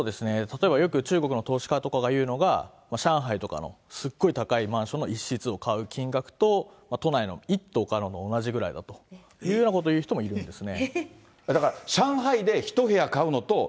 中国の投資家とかが言うのが、上海とか、すっごい高いマンションの１室を買うのとの１棟を買うのと同じぐらいだというようなことを言う人もいるんですね。